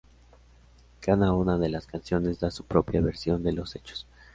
Cada una de las canciones da su propia versión de los hechos.